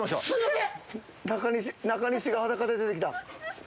中西が裸で出て来た。